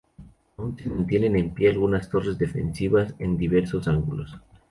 Aún se mantienen en pie algunas torres defensivas, en diversos ángulos.